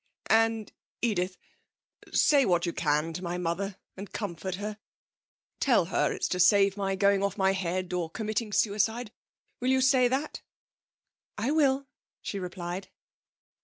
'And, Edith say what you can to my mother, and comfort her. Tell her it's to save my going off my head, or committing suicide. Will you say that?' 'I will,' she replied.